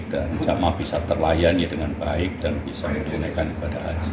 dan jemaah bisa terlayani dengan baik dan bisa berjenaikan kepada haji